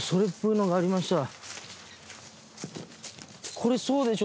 これそうでしょ？